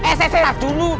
eh saya tar dulu